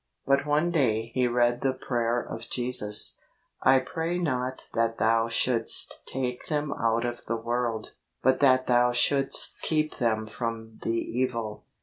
But one day he read the prayer of Jesus, ' I pray not that Thou shouldst take them out of the world, but that Thou shouldst keep them from the evil.